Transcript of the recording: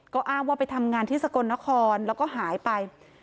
ก็อ้างว่าไปทำงานที่สกลนครแล้วก็หายไป